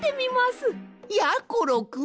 やころくん！？